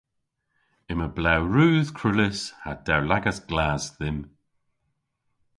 Yma blew rudh krullys ha dewlagas glas dhymm.